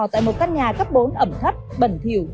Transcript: tại một căn nhà cấp bốn ẩm thấp bẩn thiểu